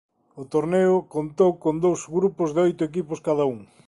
O torneo contou con dous grupos de oito equipos cada un.